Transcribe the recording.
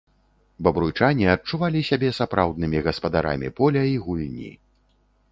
Бабруйчане адчувалі сябе сапраўднымі гаспадарамі поля і гульні.